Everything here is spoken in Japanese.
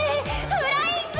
フライング！